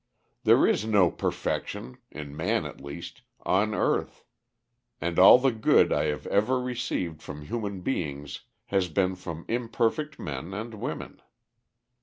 There is no perfection, in man at least, on earth, and all the good I have ever received from human beings has been from imperfect men and women.